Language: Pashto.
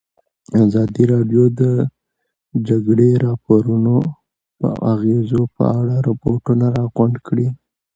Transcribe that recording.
ازادي راډیو د د جګړې راپورونه د اغېزو په اړه ریپوټونه راغونډ کړي.